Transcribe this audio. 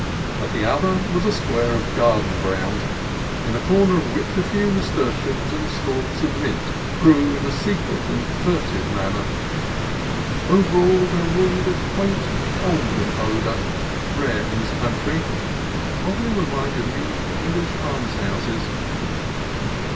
At the other was a square of garden ground, in a corner of which a few nasturtiums and stalks of mint grew in a secret and furtive man ner. Over all there ruled a quaint, olden odor, rare in this country, which oddly reminded me of Eng lish almshouses.